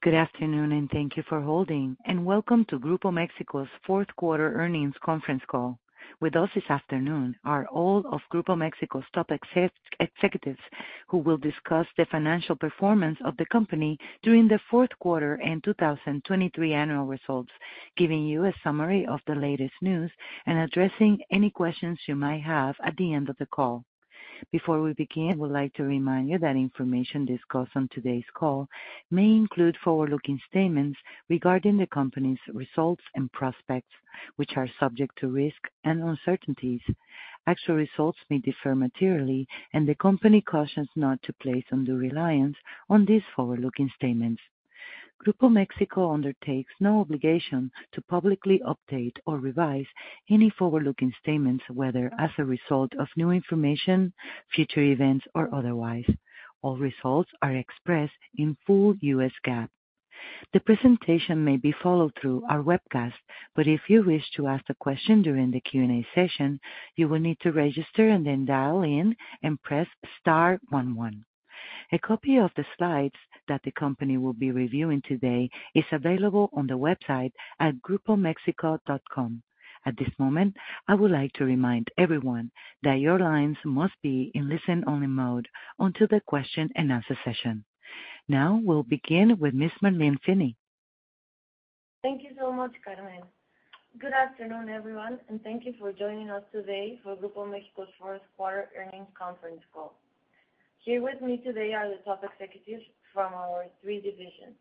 Good afternoon, and thank you for holding, and welcome to Grupo Mexico's Fourth Quarter Earnings Conference Call. With us this afternoon are all of Grupo Mexico's top executives, who will discuss the financial performance of the company during the fourth quarter and 2023 annual results, giving you a summary of the latest news and addressing any questions you might have at the end of the call. Before we begin, I would like to remind you that information discussed on today's call may include forward-looking statements regarding the company's results and prospects, which are subject to risk and uncertainties. Actual results may differ materially, and the company cautions not to place undue reliance on these forward-looking statements. Grupo Mexico undertakes no obligation to publicly update or revise any forward-looking statements, whether as a result of new information, future events, or otherwise. All results are expressed in full U.S. GAAP. The presentation may be followed through our webcast, but if you wish to ask a question during the Q&A session, you will need to register and then dial in and press star one, one. A copy of the slides that the company will be reviewing today is available on the website at grupomexico.com. At this moment, I would like to remind everyone that your lines must be in listen-only mode until the question-and-answer session. Now, we'll begin with Ms. Marlene Finny. Thank you so much, Carmen. Good afternoon, everyone, and thank you for joining us today for Grupo México's Fourth Quarter Earnings Conference Call. Here with me today are the top executives from our three divisions.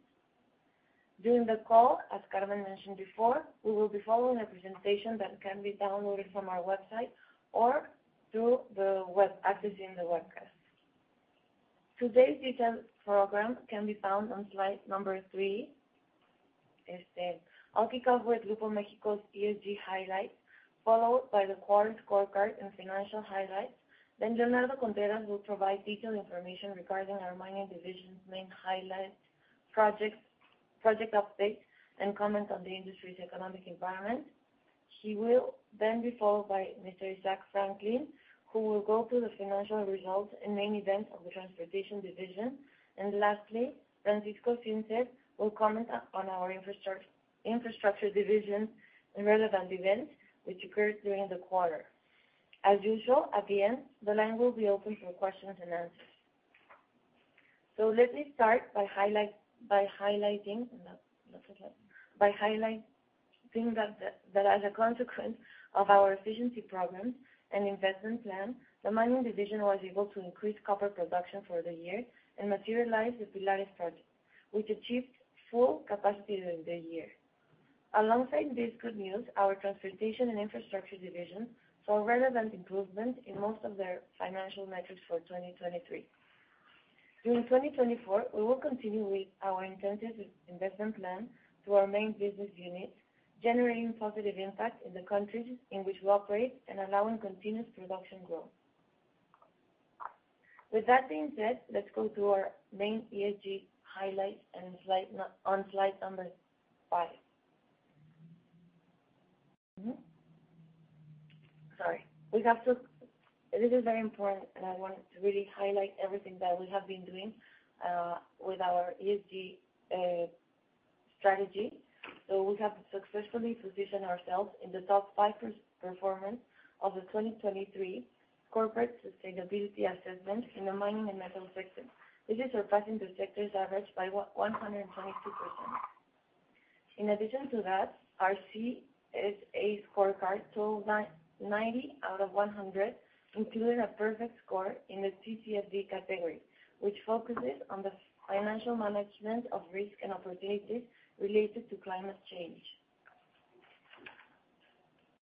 During the call, as Carmen mentioned before, we will be following a presentation that can be downloaded from our website or through the web, accessing the webcast. Today's detailed program can be found on slide number three. I'll kick off with Grupo México's ESG highlights, followed by the quarter's scorecard and financial highlights. Then Leonardo Contreras will provide detailed information regarding our Mining Division's main highlights, projects, project updates, and comment on the industry's economic environment. He will then be followed by Mr. Isaac Franklin, who will go through the financial results and main events of the Transportation Division. Lastly, Francisco Zinser will comment on our Infrastructure Division and relevant events which occurred during the quarter. As usual, at the end, the line will be open for questions and answers. So let me start by highlighting that as a consequence of our efficiency programs and investment plan, the Mining Division was able to increase copper production for the year and materialize the Pilares project, which achieved full capacity during the year. Alongside this good news, our Transportation and Infrastructure Division saw relevant improvement in most of their financial metrics for 2023. During 2024, we will continue with our intensive investment plan to our main business units, generating positive impact in the countries in which we operate and allowing continuous production growth. With that being said, let's go to our main ESG highlights and on slide number five. Sorry, we have to... This is very important, and I wanted to really highlight everything that we have been doing with our ESG strategy. So we have successfully positioned ourselves in the top five performance of the 2023 Corporate Sustainability Assessment in the mining and metal sector. This is surpassing the sector's average by 122%. In addition to that, our CSA scorecard scored 90 out of 100, including a perfect score in the TCFD category, which focuses on the financial management of risk and opportunities related to climate change.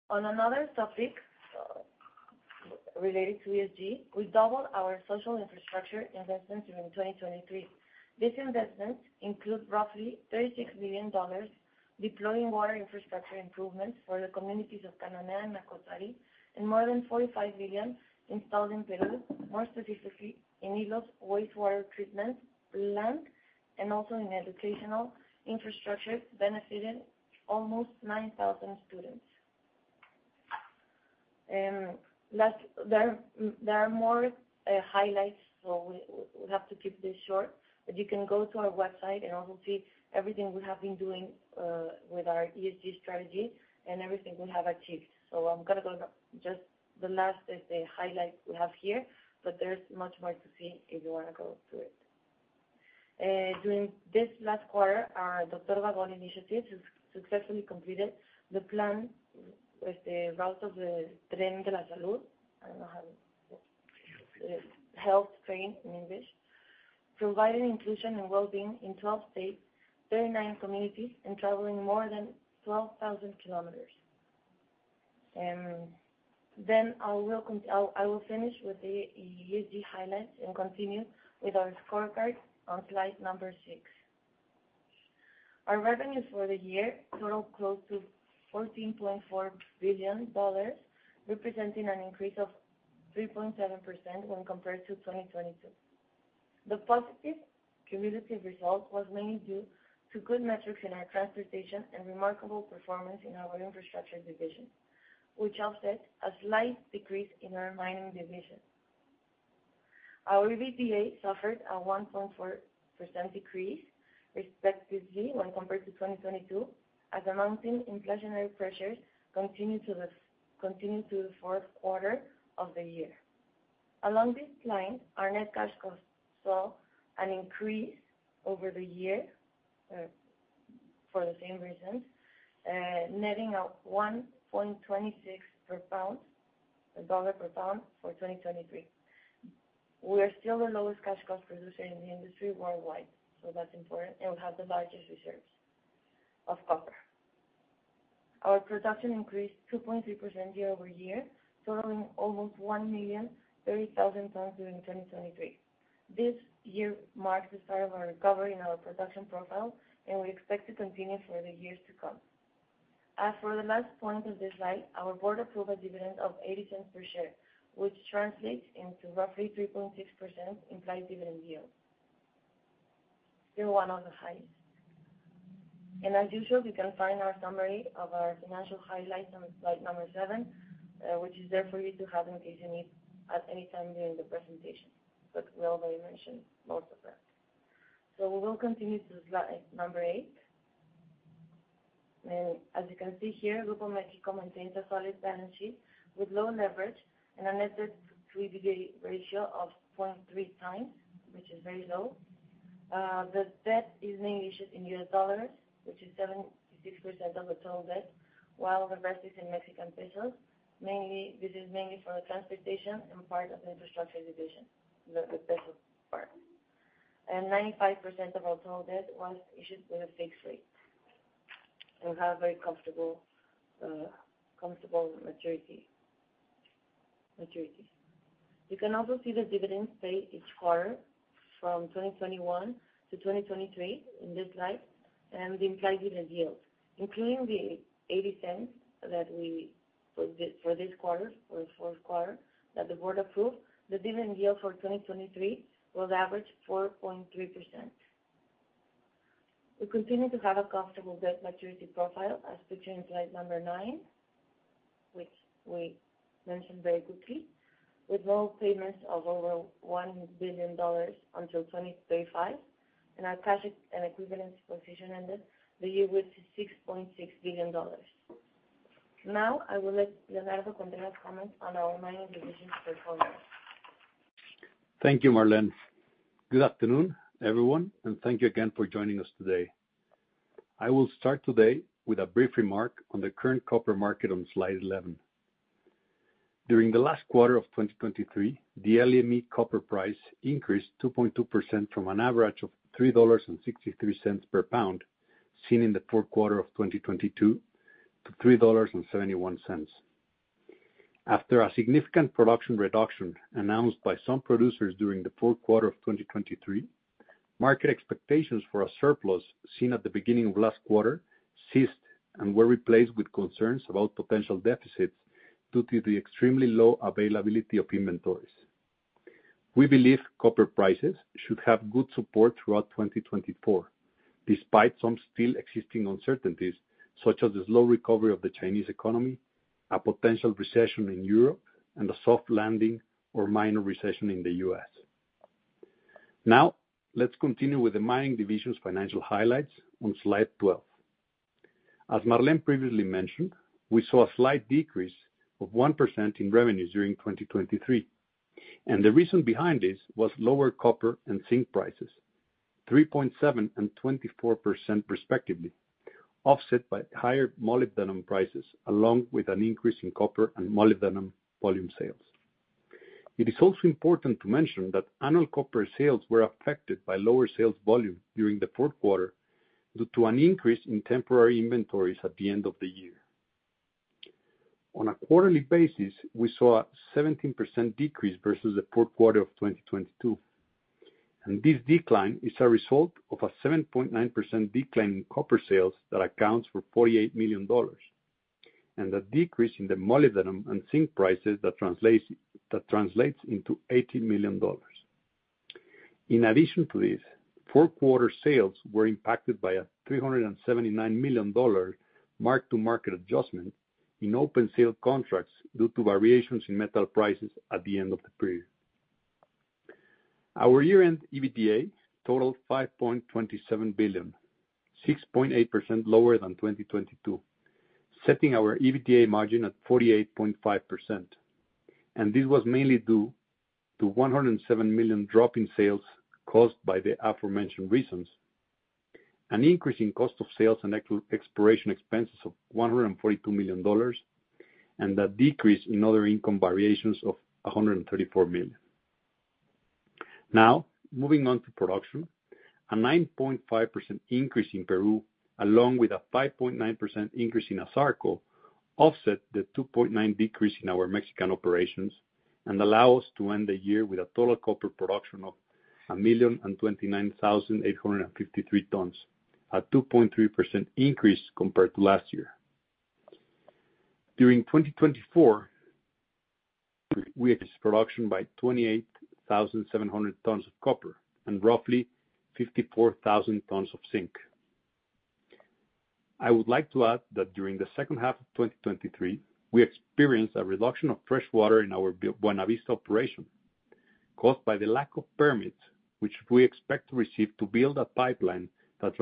On another topic related to ESG, we doubled our social infrastructure investment during 2023. This investment includes roughly $36 million, deploying water infrastructure improvements for the communities of Cananea and Nacozari, and more than $45 million installed in Peru, more specifically in Ilo's wastewater treatment plant, and also in educational infrastructure, benefiting almost 9,000 students. Last, there are more highlights, so we'll have to keep this short. But you can go to our website and you will see everything we have been doing with our ESG strategy and everything we have achieved. So I'm gonna go now. Just the last is the highlight we have here, but there's much more to see if you wanna go through it. During this last quarter, our Dr. Vagón initiative has successfully completed the plan with the route of the Tren de la Salud. I don't know how, Health Train in English, providing inclusion and well-being in 12 states, 39 communities, and traveling more than 12,000 km. Then I will finish with the ESG highlights and continue with our scorecard on slide number six. Our revenues for the year total close to $14.4 billion, representing an increase of 3.7% when compared to 2022. The positive cumulative result was mainly due to good metrics in our Transportation and remarkable performance in our Infrastructure Division, which offset a slight decrease in our Mining Division. Our EBITDA suffered a 1.4% decrease, respectively, when compared to 2022, as mounting inflationary pressures continued through the fourth quarter of the year. Along this line, our net cash costs saw an increase over the year, for the same reasons, netting out $1.26 per pound, $1 per pound for 2023. We are still the lowest cash cost producer in the industry worldwide, so that's important, and we have the largest reserves of copper. Our production increased 2.3% year-over-year, totaling almost 1,030,000 tons during 2023. This year marks the start of our recovery in our production profile, and we expect to continue for the years to come. As for the last point of this slide, our board approved a dividend of $0.80 per share, which translates into roughly 3.6% implied dividend yield. Still one of the highest. As usual, you can find our summary of our financial highlights on slide number seven, which is there for you to have in case you need at any time during the presentation, but we already mentioned most of that. So we will continue to slide number eight. As you can see here, Grupo México maintains a solid balance sheet with low leverage and a net debt to EBITDA ratio of 0.3 times, which is very low. The debt is mainly issued in U.S. dollars, which is 76% of the total debt, while the rest is in Mexican pesos. Mainly, this is mainly for the Transportation and part of the Infrastructure Division, the peso part. And 95% of our total debt was issued with a fixed rate, and we have very comfortable comfortable maturity, maturities. You can also see the dividends paid each quarter from 2021 to 2023 in this slide, and the implied dividend yield. Including the $0.80 that we for this quarter, for the fourth quarter, that the board approved, the dividend yield for 2023 was average 4.3%. We continue to have a comfortable debt maturity profile, as pictured in slide number nine, which we mentioned very quickly, with no payments of over $1 billion until 2035, and our cash equivalents position ended the year with $6.6 billion. Now, I will let Leonardo Contreras comment on our Mining Division performance. Thank you, Marlene. Good afternoon, everyone, and thank you again for joining us today. I will start today with a brief remark on the current copper market on slide 11. During the last quarter of 2023, the LME copper price increased 2.2% from an average of $3.63 per pound, seen in the fourth quarter of 2022, to $3.71. After a significant production reduction announced by some producers during the fourth quarter of 2023, market expectations for a surplus seen at the beginning of last quarter ceased and were replaced with concerns about potential deficits due to the extremely low availability of inventories. We believe copper prices should have good support throughout 2024, despite some still existing uncertainties, such as the slow recovery of the Chinese economy, a potential recession in Europe, and a soft landing or minor recession in the U.S. Now, let's continue with the Mining Division's financial highlights on slide 12. As Marlene previously mentioned, we saw a slight decrease of 1% in revenues during 2023, and the reason behind this was lower copper and zinc prices, 3.7% and 24% respectively, offset by higher molybdenum prices, along with an increase in copper and molybdenum volume sales. It is also important to mention that annual copper sales were affected by lower sales volume during the fourth quarter due to an increase in temporary inventories at the end of the year. On a quarterly basis, we saw a 17% decrease versus the fourth quarter of 2022, and this decline is a result of a 7.9% decline in copper sales that accounts for $48 million, and a decrease in the molybdenum and zinc prices that translates into $80 million. In addition to this, fourth quarter sales were impacted by a $379 million mark-to-market adjustment in open sales contracts due to variations in metal prices at the end of the period. Our year-end EBITDA totaled $5.27 billion, 6.8% lower than 2022, setting our EBITDA margin at 48.5%. This was mainly due to a $107 million drop in sales caused by the aforementioned reasons, an increase in cost of sales and exploration expenses of $142 million, and a decrease in other income variations of $134 million. Now, moving on to production. A 9.5% increase in Peru, along with a 5.9% increase in ASARCO, offset the 2.9% decrease in our Mexican operations and allow us to end the year with a total copper production of 1,029,853 tons, a 2.3% increase compared to last year. During 2024, we increased production by 28,700 tons of copper and roughly 54,000 tons of zinc.... I would like to add that during the H2 of 2023, we experienced a reduction of fresh water in our Buenavista operation, caused by the lack of permits, which we expect to receive to build a pipeline that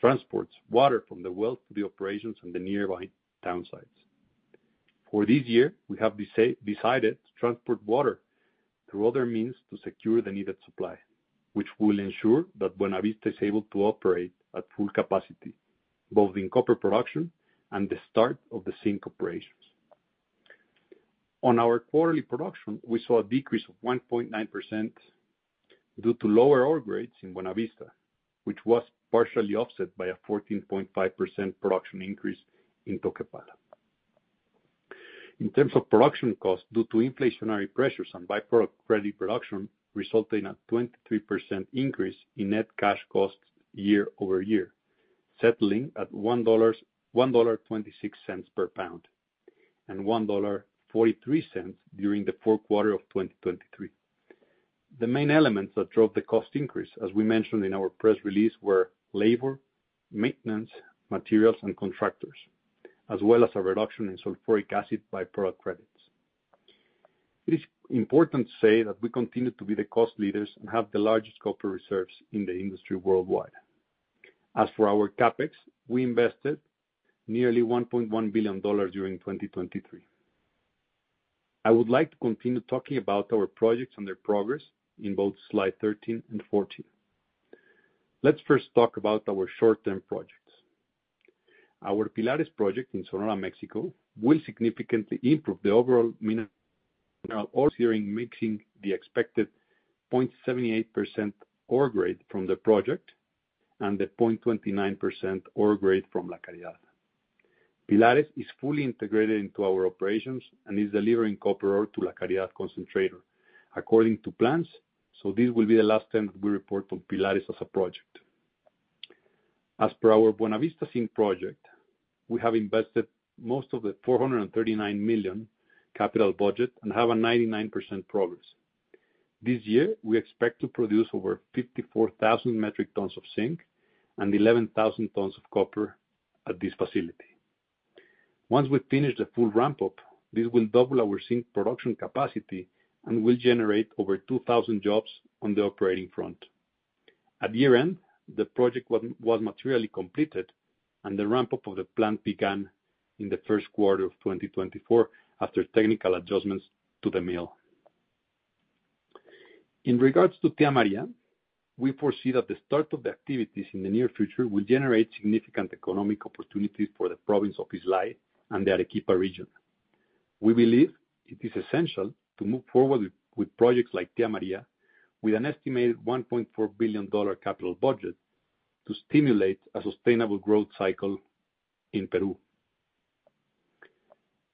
transports water from the well to the operations in the nearby town sites. For this year, we have decided to transport water through other means to secure the needed supply, which will ensure that Buenavista is able to operate at full capacity, both in copper production and the start of the zinc operations. On our quarterly production, we saw a decrease of 1.9% due to lower ore grades in Buenavista, which was partially offset by a 14.5% production increase in Toquepala. In terms of production costs, due to inflationary pressures on by-product credit production, resulting in a 23% increase in net cash costs year-over-year, settling at $1.26 per pound, and $1.43 during the fourth quarter of 2023. The main elements that drove the cost increase, as we mentioned in our press release, were labor, maintenance, materials, and contractors, as well as a reduction in sulfuric acid by-product credits. It is important to say that we continue to be the cost leaders and have the largest copper reserves in the industry worldwide. As for our CapEx, we invested nearly $1.1 billion during 2023. I would like to continue talking about our projects and their progress in both slide 13 and 14. Let's first talk about our short-term projects. Our Pilares project in Sonora, Mexico, will significantly improve the overall mineral ore mixing the expected 0.78% ore grade from the project and the 0.29% ore grade from La Caridad. Pilares is fully integrated into our operations and is delivering copper ore to La Caridad concentrator according to plans, so this will be the last time that we report from Pilares as a project. As per our Buenavista Zinc project, we have invested most of the $439 million capital budget and have a 99% progress. This year, we expect to produce over 54,000 metric tons of zinc and 11,000 tons of copper at this facility. Once we finish the full ramp-up, this will double our zinc production capacity and will generate over 2,000 jobs on the operating front. At year-end, the project was materially completed, and the ramp-up of the plant began in the first quarter of 2024 after technical adjustments to the mill. In regards to Tía María, we foresee that the start of the activities in the near future will generate significant economic opportunities for the province of Islay and the Arequipa region. We believe it is essential to move forward with projects like Tía María, with an estimated $1.4 billion capital budget, to stimulate a sustainable growth cycle in Peru.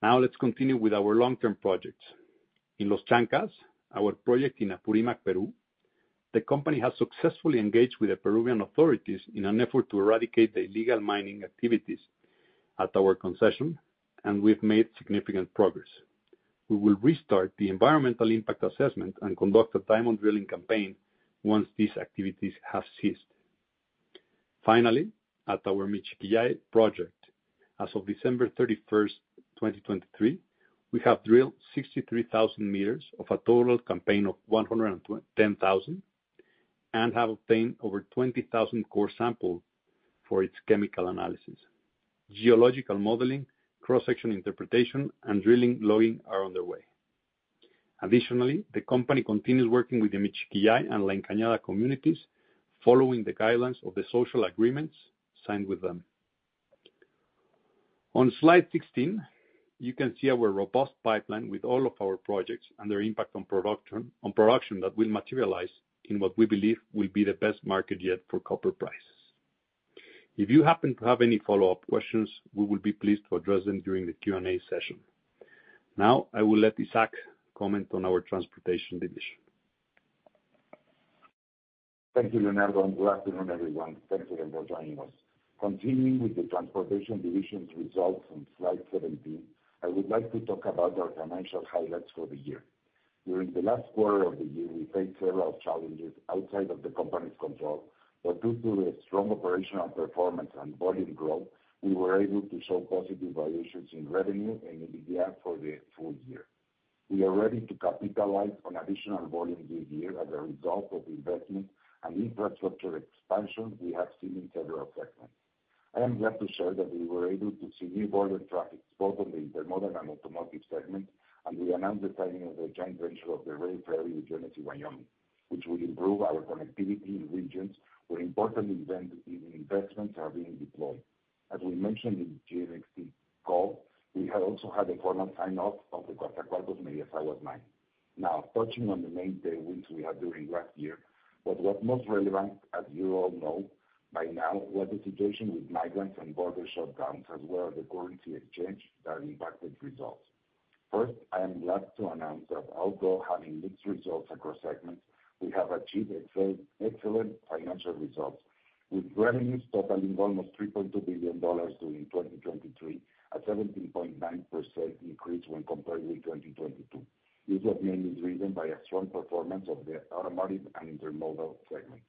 Now, let's continue with our long-term projects. In Los Chancas, our project in Apurímac, Peru, the company has successfully engaged with the Peruvian authorities in an effort to eradicate the illegal mining activities at our concession, and we've made significant progress. We will restart the environmental impact assessment and conduct a diamond drilling campaign once these activities have ceased. Finally, at our Michiquillay project, as of December 31, 2023, we have drilled 63,000 meters of a total campaign of 110,000, and have obtained over 20,000 core samples for its chemical analysis. Geological modeling, cross-section interpretation, and drilling logging are on their way. Additionally, the company continues working with the Michiquillay and La Encañada communities, following the guidelines of the social agreements signed with them. On slide 16, you can see our robust pipeline with all of our projects and their impact on production, on production that will materialize in what we believe will be the best market yet for copper prices. If you happen to have any follow-up questions, we will be pleased to address them during the Q&A session. Now, I will let Isaac comment on our Transportation Division. Thank you, Leonardo, and good afternoon, everyone. Thank you again for joining us. Continuing with the Transportation Division's results on slide 17, I would like to talk about our financial highlights for the year. During the last quarter of the year, we faced several challenges outside of the company's control, but due to the strong operational performance and volume growth, we were able to show positive valuations in revenue and EBITDA for the full year. We are ready to capitalize on additional volume this year as a result of investing and infrastructure expansion we have seen in several segments. I am glad to share that we were able to see new border traffic, both on the intermodal and automotive segment, and we announced the signing of the joint venture of the rail ferry with Genesee & Wyoming, which will improve our connectivity in regions where important investments are being deployed. As we mentioned in the GMXT call, we have also had a formal sign-off of the Punta Burgos mega highway mine. Now, touching on the main headwinds we had during last year, what was most relevant, as you all know by now, was the situation with migrants and border shutdowns, as well as the currency exchange that impacted results. First, I am glad to announce that although having mixed results across segments, we have achieved excellent financial results, with revenues totaling almost $3.2 billion during 2023.... a 17.9% increase when compared with 2022. This was mainly driven by a strong performance of the automotive and intermodal segments.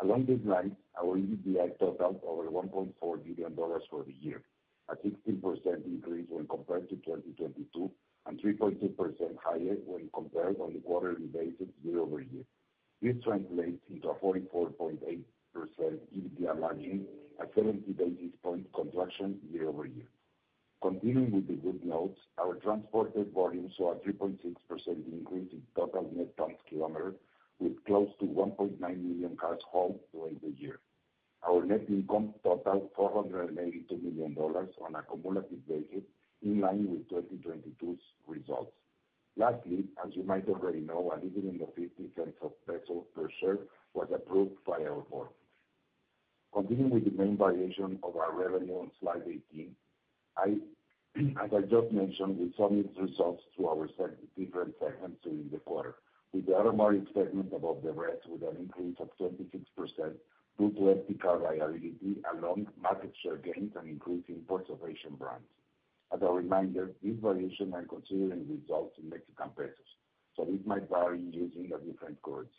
Along this line, our EBITDA totaled over $1.4 billion for the year, a 16% increase when compared to 2022, and 3.6% higher when compared on a quarterly basis year-over-year. This translates into a 44.8% EBITDA margin, a 70 basis point contraction year-over-year. Continuing with the good notes, our transported volumes saw a 3.6% increase in total net tons kilometer, with close to 1.9 million cars hauled during the year. Our net income totaled $492 million on a cumulative basis, in line with 2022's results. Lastly, as you might already know, a dividend of 0.50 per share was approved by our board. Continuing with the main variation of our revenue on slide 18, I, as I just mentioned, we saw these results through our segment difference enhancing in the quarter, with the automotive segment above the rest, with an increase of 26% due to empty car reliability along market share gains and increasing imports of Asian brands. As a reminder, these variations are considering results in Mexican pesos, so it might vary using a different currency.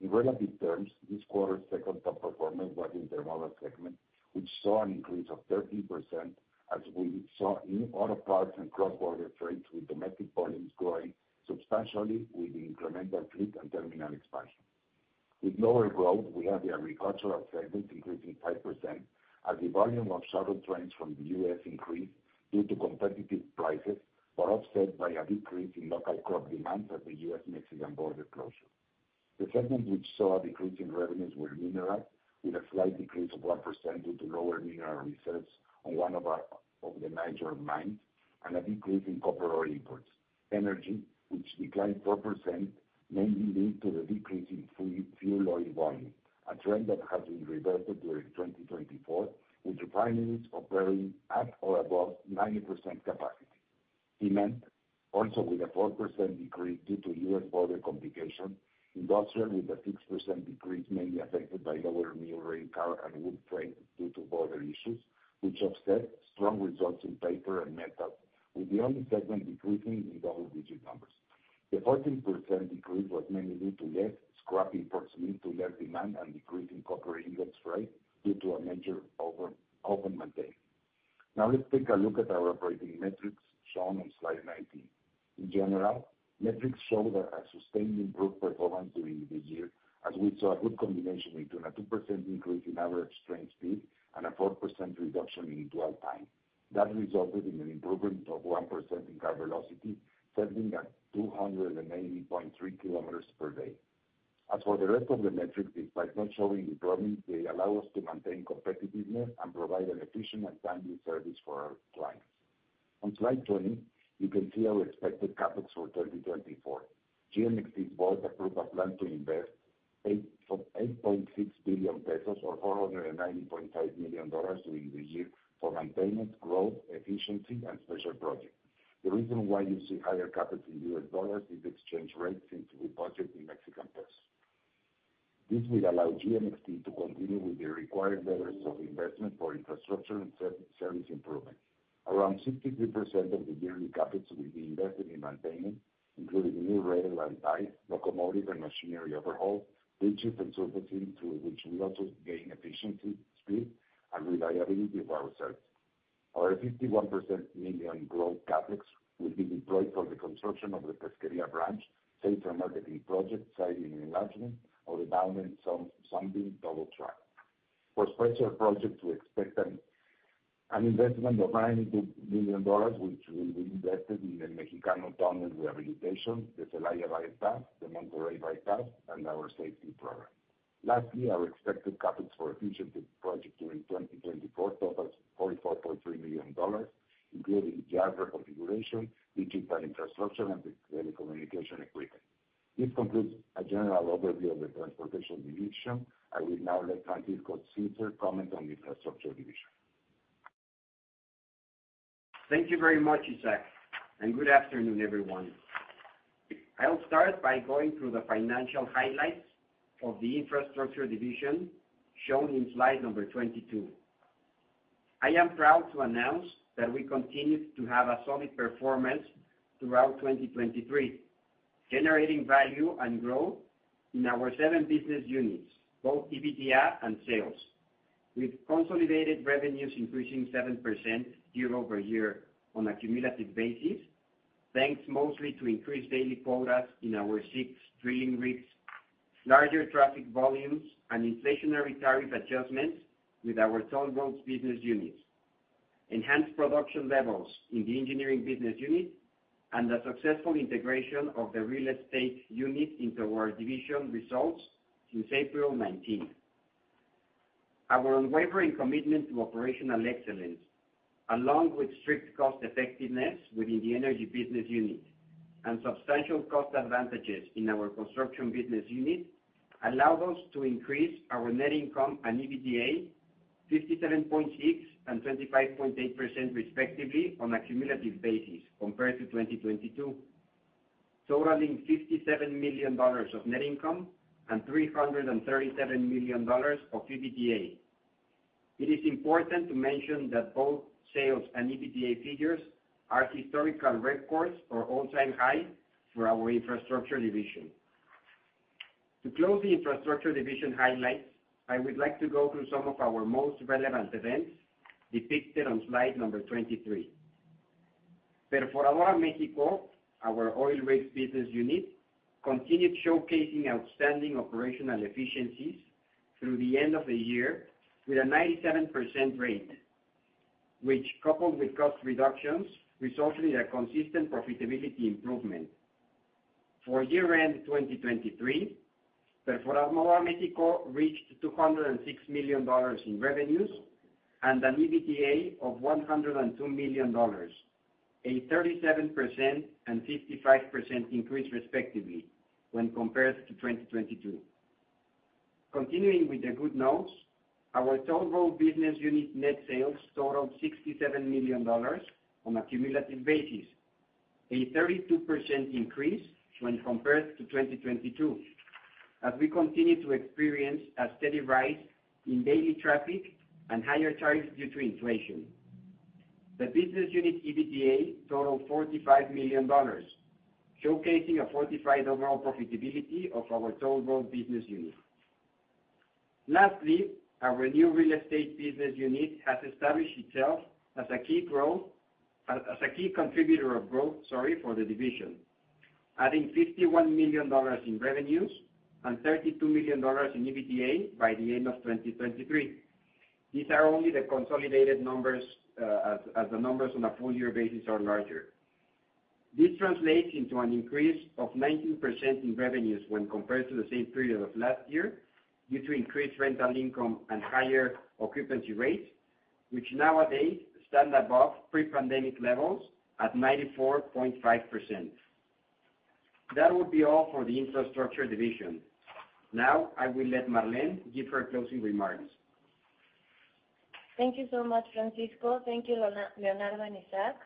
In relative terms, this quarter's second top performer was intermodal segment, which saw an increase of 13%, as we saw in auto parts and cross-border trades, with domestic volumes growing substantially with the incremental fleet and terminal expansion. With lower growth, we have the agricultural segment increasing 5%, as the volume of shuttle trains from the U.S. increased due to competitive prices, but offset by a decrease in local crop demand at the U.S.-Mexican border closure. The segment which saw a decrease in revenues were mineral, with a slight decrease of 1% due to lower mineral reserves on one of our major mines and a decrease in copper ore imports. Energy, which declined 4%, mainly due to the decrease in fuel oil volume, a trend that has been reverted during 2024, with refineries operating at or above 90% capacity. Cement, also with a 4% decrease due to U.S. border complications. Industrial, with a 6% decrease, mainly affected by lower new rail car and wood freight due to border issues, which offset strong results in paper and metal, with the only segment decreasing in double-digit numbers. The 14% decrease was mainly due to less scrap imports, leading to less demand and decrease in copper ingots freight due to a major over oven maintenance. Now, let's take a look at our operating metrics shown on slide 19. In general, metrics showed a sustained improved performance during this year, as we saw a good combination between a 2% increase in average train speed and a 4% reduction in dwell time. That resulted in an improvement of 1% in car velocity, settling at 290.3 km per day. As for the rest of the metrics, despite not showing improvement, they allow us to maintain competitiveness and provide an efficient and timely service for our clients. On slide 20, you can see our expected CapEx for 2024. GMXT board approved a plan to invest 8.6 billion pesos or $490.5 million during the year for maintenance, growth, efficiency, and special projects. The reason why you see higher CapEx in U.S. dollars is the exchange rate since we budget in Mexican pesos. This will allow GMXT to continue with the required levels of investment for infrastructure and service improvement. Around 63% of the yearly CapEx will be invested in maintenance, including new rail and tie, locomotive and machinery overhaul, bridges and surfacing, through which we also gain efficiency, speed, and reliability of our service. Our $51 million growth CapEx will be deployed for the construction of the Pesquería branch, sales and marketing project, siding enlargement, or the downtime, double track. For special projects, we expect an investment of $90 million, which will be invested in the Mexicano Tunnel Rehabilitation, the Celaya Bypass, the Monterrey Bypass, and our safety program. Lastly, our expected CapEx for efficiency project during 2024 totals $44.3 million, including yard reconfiguration, digital infrastructure, and the telecommunication equipment. This concludes a general overview of the Transportation Division. I will now let Francisco Zinser comment on the Infrastructure Division. Thank you very much, Isaac, and good afternoon, everyone. I'll start by going through the financial highlights of the Infrastructure Division, shown in slide number 22. I am proud to announce that we continued to have a solid performance throughout 2023, generating value and growth in our seven business units, both EBITDA and sales. With consolidated revenues increasing 7% year-over-year on a cumulative basis, thanks mostly to increased daily quotas in our six drilling rigs, larger traffic volumes and inflationary tariff adjustments with our toll roads business units, enhanced production levels in the engineering business unit, and the successful integration of the real estate unit into our division results since April 19. Our unwavering commitment to operational excellence, along with strict cost effectiveness within the energy business unit and substantial cost advantages in our construction business unit, allowed us to increase our net income and EBITDA 57.6% and 25.8% respectively on a cumulative basis compared to 2022, totaling $57 million of net income and $337 million of EBITDA. It is important to mention that both sales and EBITDA figures are historical records or all-time high for our Infrastructure Division. To close the Infrastructure Division highlights, I would like to go through some of our most relevant events depicted on slide number 23. Perforadora México, our oil rigs business unit, continued showcasing outstanding operational efficiencies through the end of the year with a 97% rate, which, coupled with cost reductions, resulted in a consistent profitability improvement. For year-end 2023, Perforadora México reached $206 million in revenues and an EBITDA of $102 million, a 37% and 55% increase, respectively, when compared to 2022. Continuing with the good notes, our toll road business unit net sales totaled $67 million on a cumulative basis, a 32% increase when compared to 2022, as we continue to experience a steady rise in daily traffic and higher charges due to inflation. The business unit EBITDA totaled $45 million, showcasing a fortified overall profitability of our toll road business unit. Lastly, our new real estate business unit has established itself as a key contributor of growth, sorry, for the division, adding $51 million in revenues and $32 million in EBITDA by the end of 2023. These are only the consolidated numbers, as the numbers on a full year basis are larger. This translates into an increase of 19% in revenues when compared to the same period of last year, due to increased rental income and higher occupancy rates, which nowadays stand above pre-pandemic levels at 94.5%. That would be all for the Infrastructure Division. Now, I will let Marlene give her closing remarks. Thank you so much, Francisco. Thank you, Leonardo and Isaac,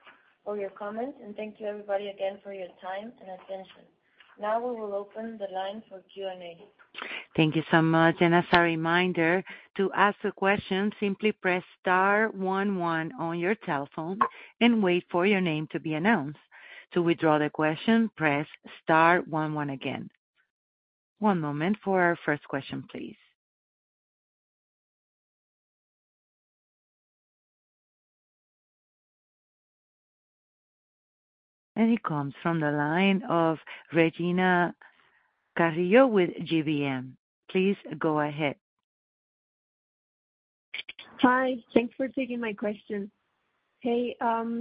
for your comments, and thank you everybody again for your time and attention. Now, we will open the line for Q&A. Thank you so much. As a reminder, to ask a question, simply press star one one on your telephone and wait for your name to be announced. To withdraw the question, press star one one again. One moment for our first question, please. It comes from the line of Regina Carrillo with GBM. Please go ahead. Hi, thanks for taking my question. Hey,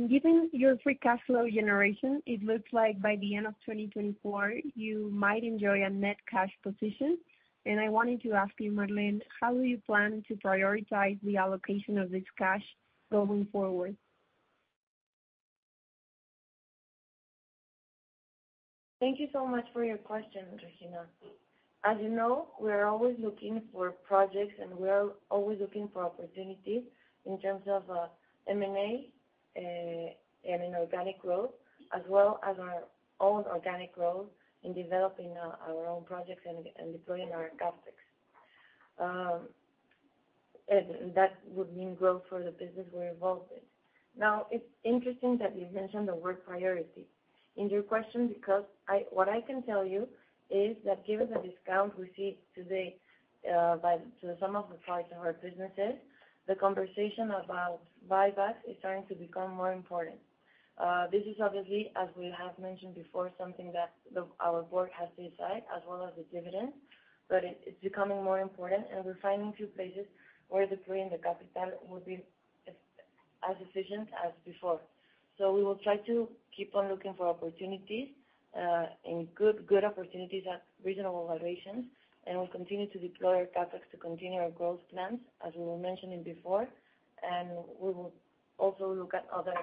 given your free cash flow generation, it looks like by the end of 2024, you might enjoy a net cash position. I wanted to ask you, Marlene, how will you plan to prioritize the allocation of this cash going forward? Thank you so much for your question, Regina. As you know, we are always looking for projects, and we are always looking for opportunities in terms of, M&A, and in organic growth, as well as our own organic growth in developing, our own projects and, and deploying our CapEx. And that would mean growth for the business we're involved in. Now, it's interesting that you mentioned the word priority in your question because I-- what I can tell you is that given the discount we see today, uh, by, to some of the parts of our businesses, the conversation about buyback is starting to become more important. This is obviously, as we have mentioned before, something that the, our board has to decide, as well as the dividend, but it, it's becoming more important, and we're finding few places where deploying the capital would be as efficient as before. So we will try to keep on looking for opportunities, and good opportunities at reasonable valuations. And we'll continue to deploy our CapEx to continue our growth plans, as we were mentioning before. And we will also look at other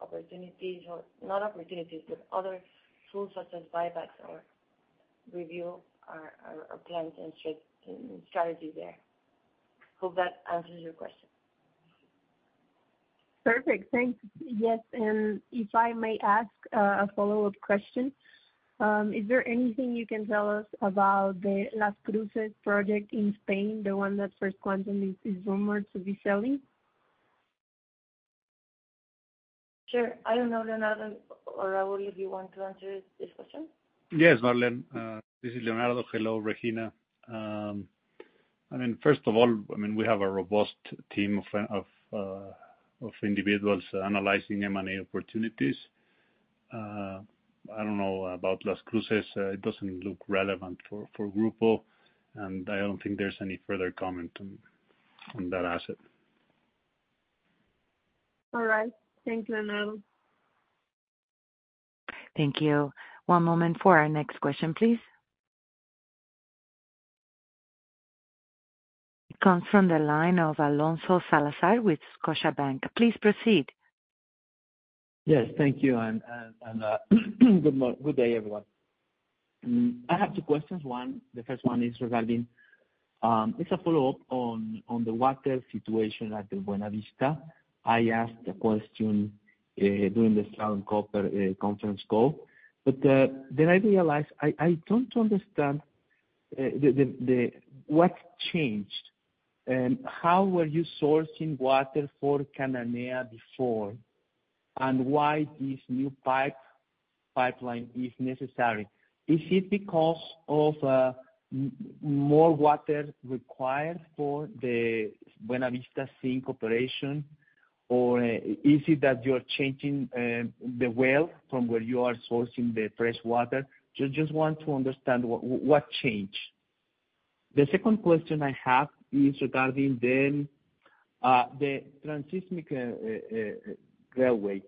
opportunities or not opportunities, but other tools such as buybacks or review our plans and strategy there. Hope that answers your question. Perfect. Thanks. Yes, and if I may ask, a follow-up question. Is there anything you can tell us about the Las Cruces project in Spain, the one that First Quantum is rumored to be selling? Sure. I don't know, Leonardo or Raul, if you want to answer this question. Yes, Marlene, this is Leonardo. Hello, Regina. I mean, first of all, we have a robust team of individuals analyzing M&A opportunities. I don't know about Las Cruces. It doesn't look relevant for Grupo, and I don't think there's any further comment on that asset. All right. Thanks, Leonardo. Thank you. One moment for our next question, please. It comes from the line of Alfonso Salazar with Scotiabank. Please proceed. Yes, thank you, and good day, everyone. I have two questions. One, the first one is regarding it's a follow-up on the water situation at the Buenavista. I asked a question during the Southern Copper conference call, but then I realized I don't understand what changed, and how were you sourcing water for Cananea before, and why this new pipeline is necessary? Is it because of more water required for the Buenavista zinc operation, or is it that you're changing the well from where you are sourcing the fresh water? So just want to understand what changed. The second question I have is regarding the Transístmico railway.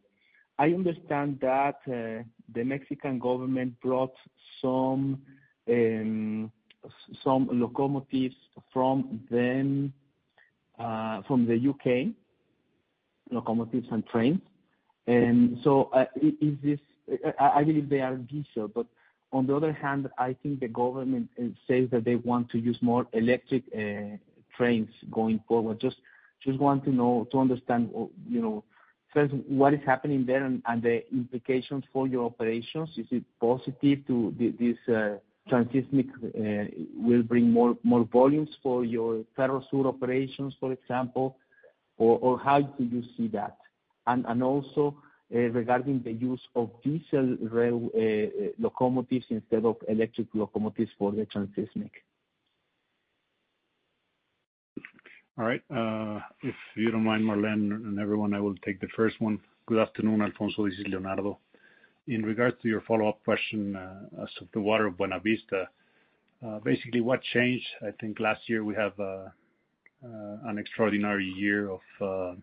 I understand that the Mexican government brought some locomotives from them from the UK, locomotives and trains. And so I believe they are diesel, but on the other hand, I think the government, it says that they want to use more electric trains going forward. Just want to know, to understand, you know, first, what is happening there and the implications for your operations. Is it positive to this Transístmico, will bring more volumes for your Ferrosur operations, for example, or how do you see that? And also, regarding the use of diesel rail locomotives instead of electric locomotives for the Transístmico. All right. If you don't mind, Marlene and everyone, I will take the first one. Good afternoon, Alonso, this is Leonardo. In regards to your follow-up question, as for the water of Buenavista, basically, what changed, I think last year we have an extraordinary year of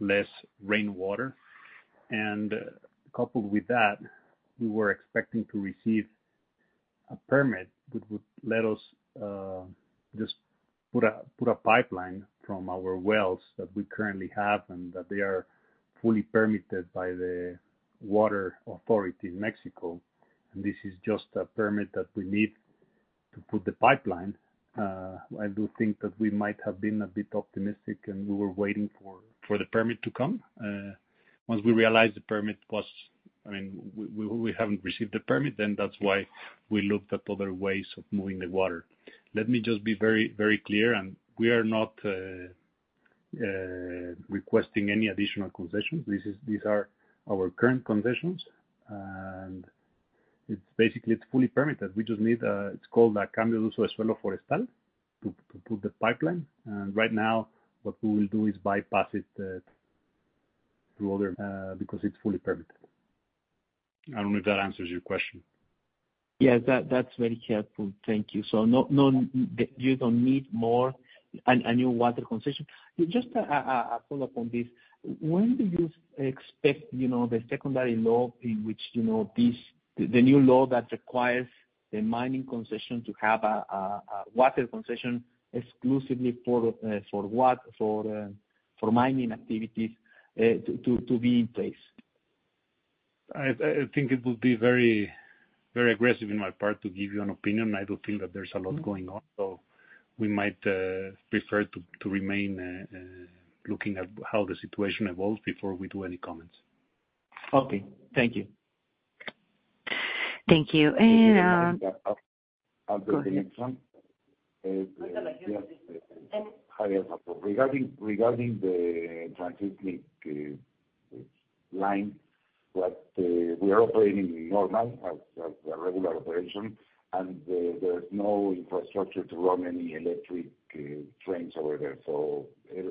less rainwater. And coupled with that, we were expecting to receive a permit, which would let us just put a pipeline from our wells that we currently have, and that they are fully permitted by the water authority in Mexico. And this is just a permit that we need to put the pipeline. I do think that we might have been a bit optimistic, and we were waiting for the permit to come. Once we realized the permit was... I mean, we haven't received the permit, then that's why we looked at other ways of moving the water. Let me just be very, very clear, and we are not requesting any additional concessions. This is, these are our current concessions, and it's basically, it's fully permitted. We just need, it's called a "..." to put the pipeline. And right now, what we will do is bypass it through other, because it's fully permitted. I don't know if that answers your question. Yes, that, that's very helpful. Thank you. So no, no, you don't need more, a new water concession. Just a follow-up on this. When do you expect, you know, the secondary law in which, you know, this, the new law that requires the mining concession to have a water concession exclusively for what? For mining activities, to be in place? I think it would be very, very aggressive in my part to give you an opinion. I do think that there's a lot going on, so we might prefer to remain looking at how the situation evolves before we do any comments. Okay. Thank you. Thank you. I'll take the next one. Go ahead. Yeah. Regarding, regarding the Transístmico line, we are operating normal, as a regular operation, and there's no infrastructure to run any electric trains over there. So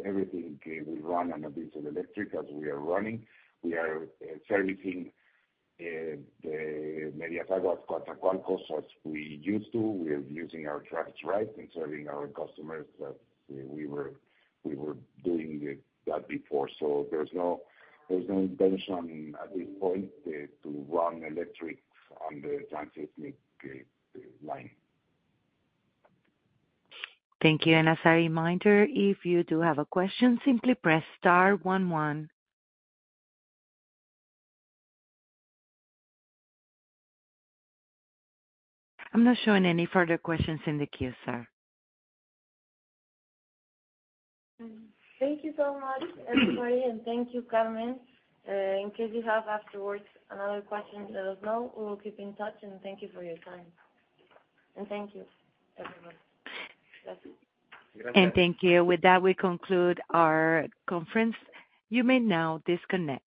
everything we run on a diesel electric, as we are running. We are servicing the Medias Aguas Coatzacoalcos, as we used to. We are using our tracks, right, and serving our customers that we were doing that before. So there's no intention at this point to run electric on the Transístmico line. Thank you. And as a reminder, if you do have a question, simply press star one, one. I'm not showing any further questions in the queue, sir. Thank you so much, everybody. Thank you, Carmen. In case you have afterward another question, let us know. We will keep in touch, and thank you for your time. Thank you, everyone. That's it. Thank you. With that, we conclude our conference. You may now disconnect.